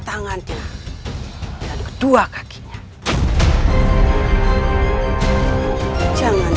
jangan banyak bicara silvan